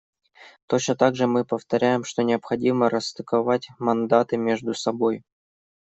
Точно так же мы повторяем, что необходимо расстыковать мандаты между собой.